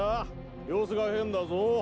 様子が変だぞ！